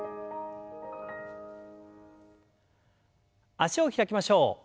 脚を開きましょう。